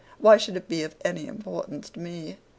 Why should it be of any importance to me?